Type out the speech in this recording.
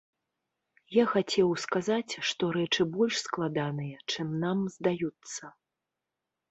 Я хацеў сказаць, што рэчы больш складаныя, чым нам здаюцца.